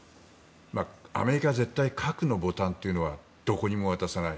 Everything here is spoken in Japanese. アメリカは絶対に核のボタンはどこにも渡さない。